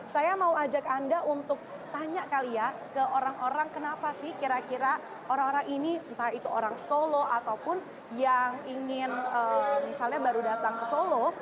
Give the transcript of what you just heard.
saya mau ajak anda untuk tanya kali ya ke orang orang kenapa sih kira kira orang orang ini entah itu orang solo ataupun yang ingin misalnya baru datang ke solo